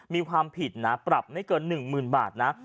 มีความผิดนะปรับไม่เกิน๑๐๐๐บาทนะ